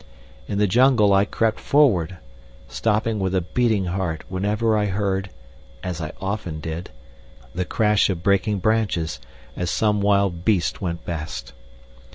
In the jungle I crept forward, stopping with a beating heart whenever I heard, as I often did, the crash of breaking branches as some wild beast went past.